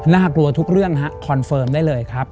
กลัวทุกเรื่องฮะคอนเฟิร์มได้เลยครับ